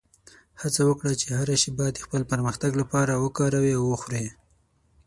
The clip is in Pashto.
هڅه وکړه چې هره شېبه د خپل پرمختګ لپاره وکاروې او وخورې.